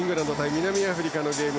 南アフリカのゲーム